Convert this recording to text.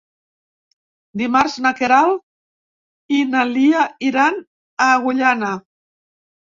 Dimarts na Queralt i na Lia iran a Agullana.